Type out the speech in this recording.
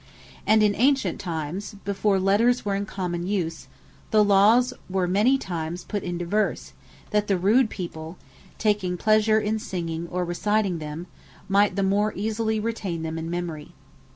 And in antient time, before letters were in common use, the Lawes were many times put into verse; that the rude people taking pleasure in singing, or reciting them, might the more easily reteine them in memory.